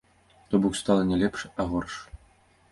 То бок стала не лепш, а горш.